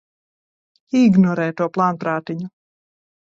Ignorē to plānprātiņu!